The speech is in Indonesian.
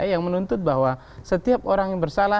yang menuntut bahwa setiap orang yang bersalah